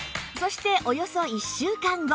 そしておよそ１週間後